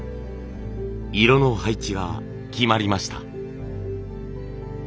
色の配置が決まりました。